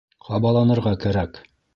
Ҡабаланырға кәрәк.